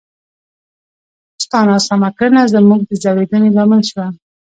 ستا ناسمه کړنه زموږ د ځورېدنې لامل شوه!